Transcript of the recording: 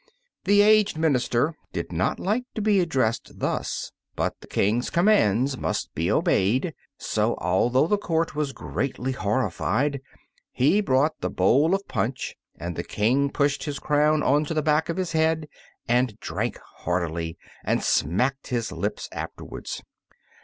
The aged minister did not like to be addressed thus, but the King's commands must be obeyed; so, although the court was greatly horrified, he brought the bowl of punch, and the King pushed his crown onto the back of his head and drank heartily, and smacked his lips afterwards.